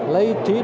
lấy trí tuệ